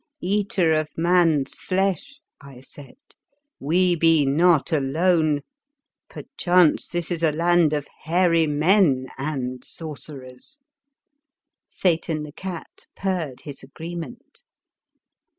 " Eater of man's flesh," I said, "we be not alone. Perchance this is a land of hairy men — and sorcerers." Satan, the cat, purred his agreement.